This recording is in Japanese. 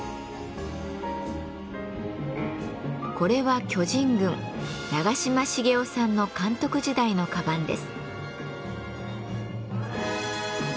これは巨人軍長嶋茂雄さんの監督時代の鞄です。